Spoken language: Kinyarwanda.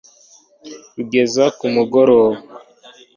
kugeza ku mugoroba